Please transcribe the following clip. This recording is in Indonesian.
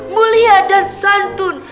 mulia dan santun